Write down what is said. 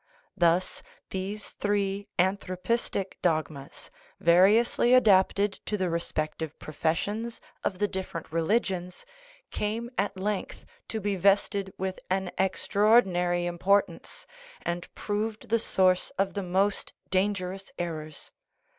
Thus these three anthropistic dogmas, variously adapted to the re spective professions of the different religions, came at 12 THE NATURE OF THE PROBLEM length to be vested with an extraordinary importance, and proved the source of the most dangerous errors.